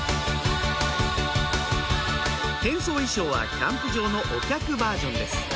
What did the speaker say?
変装衣装はキャンプ場のお客バージョンです